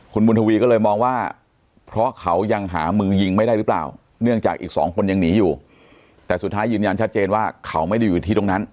คุณบุญทวีก็เลยมองว่าเพราะเขายังหามือยิงไม่ได้หรือเปล่าเนื่องจากอีกสองคนยังหนีอยู่แต่สุดท้ายยืนยันชัดเจนว่าเขาไม่ได้อยู่ที่ตรงนั้น